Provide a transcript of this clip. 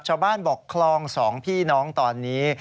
ชาวบ้านบอกคลองสองพี่น้องตอนนี้